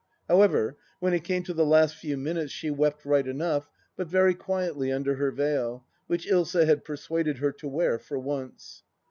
... However, when it came to the last few minutes she wept right enough, but very quietly under her veil, which Ilsa had persuaded her to wear for once.